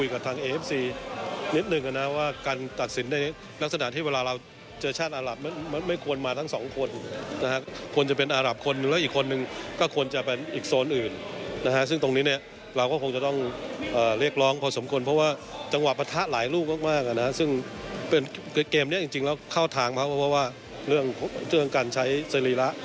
เกมนี้จริงเราเข้าทางเพราะว่าเรื่องการใช้ซีรีระ